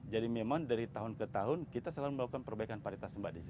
jadi memang dari tahun ke tahun kita selalu melakukan perbaikan paritas sembah desa